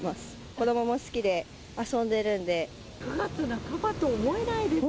子どもも好きで、９月半ばと思えないですよね。